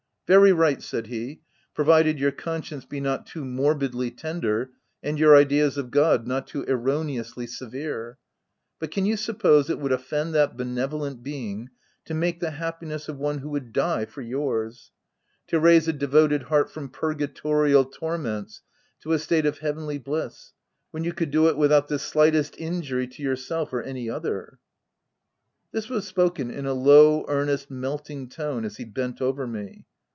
" Very right/' said he ;" provided your con science be not too morbidly tender, and your ideas of God not too erroneously severe ; but can you suppose it would offend that benevolent Being to make the happiness of one who would die for yours ?— to raise a devoted heart from purgatorial torments to a state of heavenly bliss when you could do it without the slightest in jury to yourself or any other?" This was spoken in a low, earnest, melting tone as he bent over me.